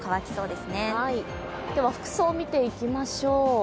では服装をみていきましょう。